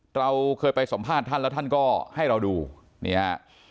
เราเคยไปสัมภาษณ์ท่านแล้วท่านก็ให้เราดูนี่ฮะ